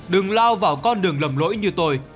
đừng lao vào con đường lầm lỗi như tôi